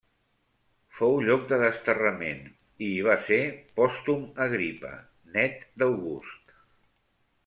Fou lloc de desterrament i hi va ser Pòstum Agripa, nét d'August.